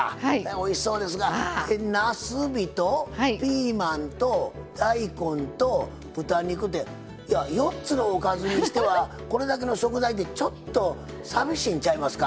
おいしそうですが、なすびとピーマンと大根と豚肉って４つのおかずにしてはこれだけの食材ってちょっとさみしいんちゃいますか？